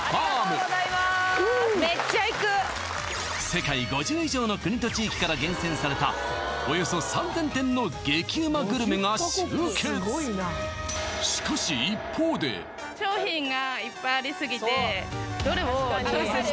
ここする世界５０以上の国と地域から厳選されたおよそ３０００点の激ウマグルメが集結一方でその中には・